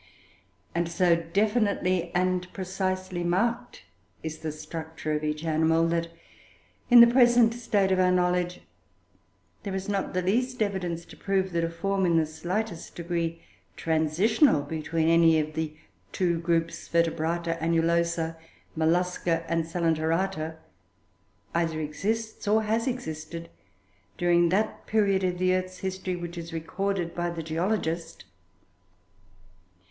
And so definitely and precisely marked is the structure of each animal, that, in the present state of our knowledge, there is not the least evidence to prove that a form, in the slightest degree transitional between any of the two groups Vertebrata, Annulosa, Mollusca, and Coelenterata, either exists, or has existed, during that period of the earth's history which is recorded by the geologist.